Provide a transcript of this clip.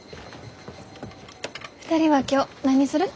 ２人は今日何にする？